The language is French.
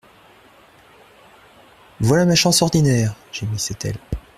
Voilà ma chance ordinaire ! gémissait-elle.